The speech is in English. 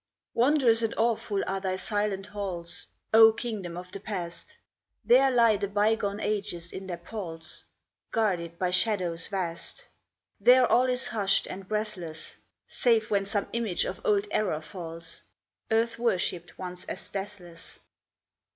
Wondrous and awful are thy silent halls, O kingdom of the past! There lie the bygone ages in their palls, Guarded by shadows vast, There all is hushed and breathless, Save when some image of old error falls Earth worshipped once as deathless.